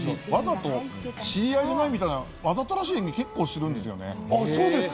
わざと知り合いじゃないみたいな、わざとらしい感じがするんですよね。